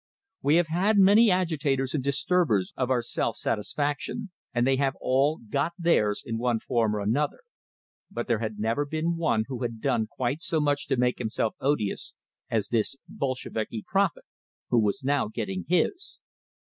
We have had many agitators and disturbers of our self satisfaction, and they have all "got theirs," in one form or another; but there had never been one who had done quite so much to make himself odious as this "Bolsheviki prophet," who was now "getting his."